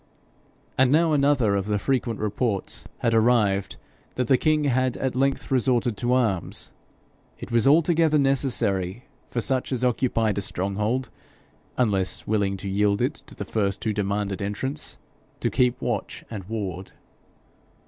And now another of the frequent reports had arrived, that the king had at length resorted to arms. It was altogether necessary for such as occupied a stronghold, unless willing to yield it to the first who demanded entrance, to keep watch and ward.